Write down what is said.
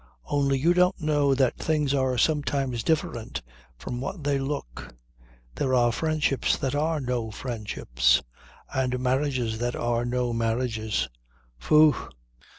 Only you don't know that things are sometimes different from what they look. There are friendships that are no friendships, and marriages that are no marriages.